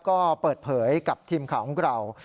ก็เปิดเผยกับทีมข่าวของเรา